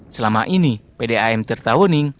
selama ini pdam tirtawening